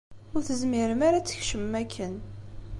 Ur tezmirem ara ad tkecmem akken.